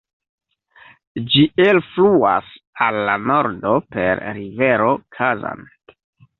Ĝi elfluas al la nordo per rivero Kazan.